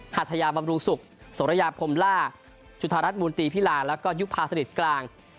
หัทยาบำรุงสุขสวรรยาพลมรากชุธารัฐบูรณ์ตีภิราแล้วก็ยุคพาสนิทกลาง